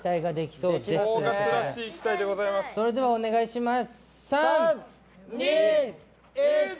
それではお願いします。